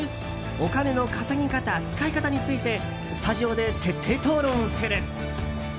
お金の稼ぎ方・使い方についてスタジオで徹底討論する。